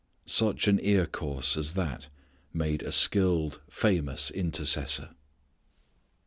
Such an ear course as that made a skilled famous intercessor.